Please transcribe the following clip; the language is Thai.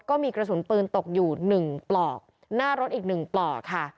ก็มีกระสุนปืนตกอยู่หนึ่งปลอกหน้ารถอีกหนึ่งปลอกค่ะ